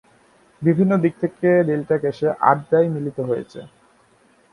বিভিন্ন দিক থেকে রেল ট্র্যাক এসে আর্দ্রায় মিলিত হয়েছে।